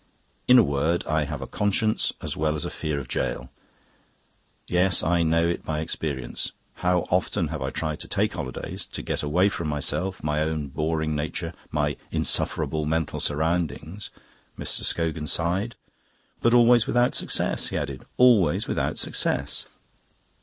In a word, I have a conscience as well as a fear of gaol. Yes, I know it by experience. How often have I tried to take holidays, to get away from myself, my own boring nature, my insufferable mental surroundings!" Mr. Scogan sighed. "But always without success," he added, "always without success.